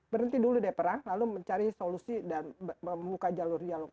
berhenti dulu deh perang lalu mencari solusi dan membuka jalur dialog